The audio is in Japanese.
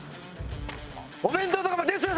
お弁当とかもですよ。